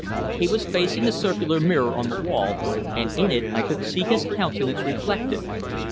He was facing a circular mirror on the wall, and in it I could see his countenance reflected.